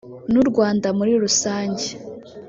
n’u Rwanda muri rusange